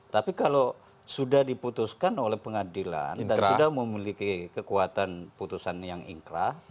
tapi kalau sudah diputuskan oleh pengadilan dan sudah memiliki kekuatan putusan yang ingkrah